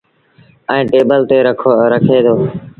ائيٚݩ ٽيبل تي رکي دو۔